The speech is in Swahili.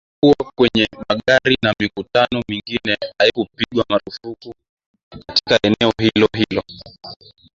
ulikuwa kwenye magari na mikutano mingine haikupigwa marufuku katika eneo hilo hilo